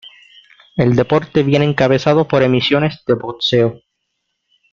El deporte viene encabezado por emisiones de boxeo.